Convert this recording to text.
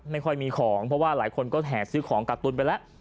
ไม่ค่อยมีของเพราะว่าหลายคนก็แห่ซื้อของกักตุนไปแล้ว